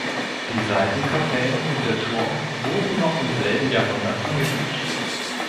Die Seitenkapellen und der Turm wurden noch im selben Jahrhundert angefügt.